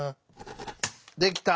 できた！